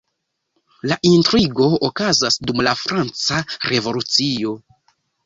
La intrigo okazas dum la Franca Revolucio.